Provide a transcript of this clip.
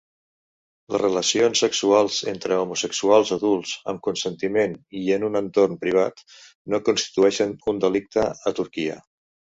Les relacions sexuals entre homosexuals adults amb consentiment i en un entorn privat no constitueixen un delicte a Turquia.